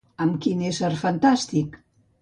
Amb quin ésser fantàstic?